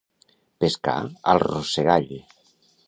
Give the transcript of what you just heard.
Pescar al rossegall.